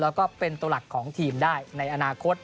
แล้วก็เป็นตัวหลักของทีมได้ในอนาคต